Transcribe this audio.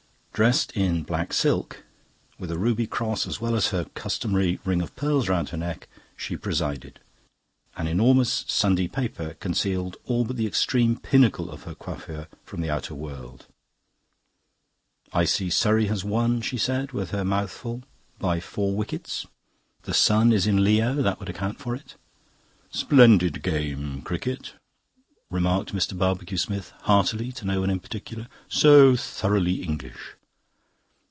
Dressed in black silk, with a ruby cross as well as her customary string of pearls round her neck, she presided. An enormous Sunday paper concealed all but the extreme pinnacle of her coiffure from the outer world. "I see Surrey has won," she said, with her mouth full, "by four wickets. The sun is in Leo: that would account for it!" "Splendid game, cricket," remarked Mr. Barbecue Smith heartily to no one in particular; "so thoroughly English."